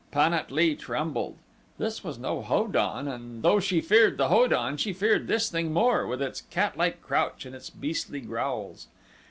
Pan at lee trembled. This was no Ho don and though she feared the Ho don she feared this thing more, with its catlike crouch and its beastly growls.